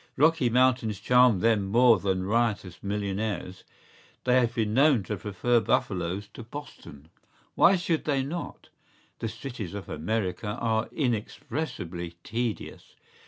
¬Ý Rocky Mountains charm them more than riotous millionaires; they have been known to prefer buffaloes to Boston.¬Ý Why should they not?¬Ý The cities of America are inexpressibly tedious.